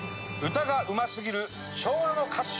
歌がうますぎる昭和の歌手。